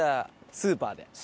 スーパー。